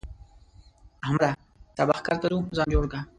احمده! سبا ښکار ته ځو؛ ځان جوړ کړه.